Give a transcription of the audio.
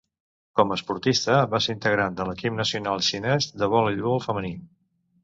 Com a esportista va ser integrant de l'equip nacional xinès de voleibol femení.